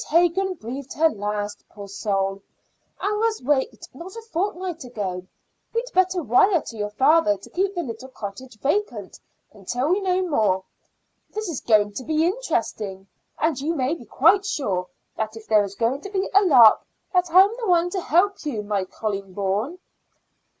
Hagan breathed her last, poor soul! and was waked not a fortnight ago. We'd better wire to your father to keep the little cottage vacant until we know more. This is going to be interesting, and you may be quite sure that if there is going to be a lark that I'm the one to help you, my colleen bawn."